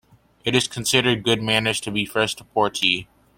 It is considered good manners to be the first to pour tea.